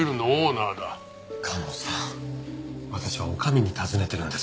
私は女将に尋ねてるんです。